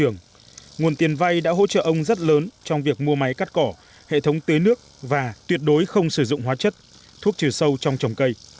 nguồn tiền vay đã hỗ trợ ông rất lớn trong việc mua máy cắt cỏ hệ thống tưới nước và tuyệt đối không sử dụng hóa chất thuốc trừ sâu trong trồng cây